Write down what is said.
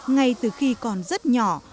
ngay từ khi còn rất nhỏ